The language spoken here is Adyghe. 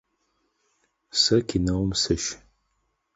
Сэ кинэум сыщ.